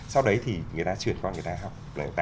sau đấy thì người ta truyền con người ta học